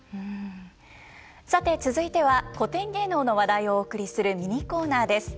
さて続いては古典芸能の話題をお送りするミニコーナーです。